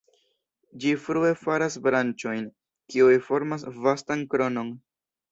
Ĝi frue faras branĉojn, kiuj formas vastan kronon.